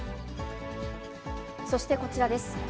そしてこちらです。